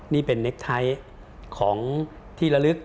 นี่เป็นเน็กไทท์ของที่ละลึก